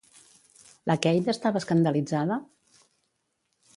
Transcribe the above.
La Kate estava escandalitzada?